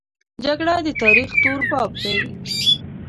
جګړه د تاریخ تور باب دی